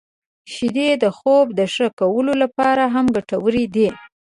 • شیدې د خوب د ښه کولو لپاره هم ګټورې دي.